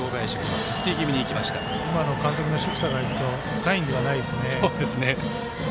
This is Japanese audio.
今の監督のしぐさから見るとサインではないですね。